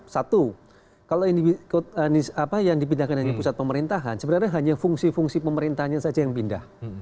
satu kalau yang dipindahkan dari pusat pemerintahan sebenarnya hanya fungsi fungsi pemerintahnya saja yang pindah